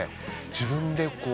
自分で。